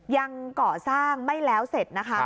ยังก่อสร้างไม่แล้วเสร็จนะคะ